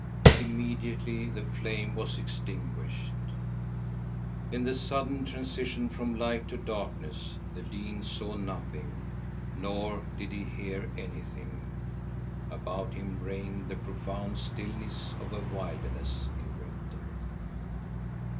"Immediately the flame was extinguished. In the sudden transition from light to darkness the dean saw nothing, nor did he hear anything. About him reigned the profound stillness of a wilderness in winter.